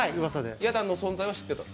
や団の存在は知ってた？